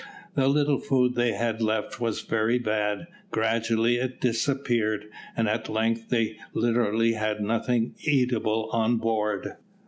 The little food they had left was very bad. Gradually it disappeared, and at length they literally had nothing eatable on board.